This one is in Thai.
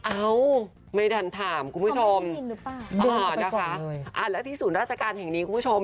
เอ้าไม่ทันถามคุณผู้ชมนะคะแล้วที่ศูนย์ราชการแห่งนี้คุณผู้ชม